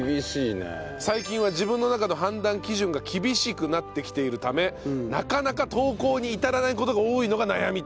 最近は自分の中の判断基準が厳しくなってきているためなかなか投稿に至らない事が多いのが悩みと。